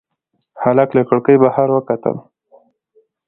هلک له کړکۍ بهر وکتل.